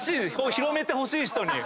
広めてほしい人に。